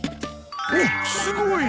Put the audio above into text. おっすごい！